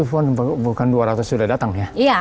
tapi ingat itu bukan dua ratus sudah datang ya